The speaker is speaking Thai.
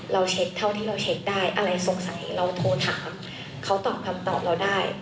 เราเช็คเท่าที่เราเช็คได้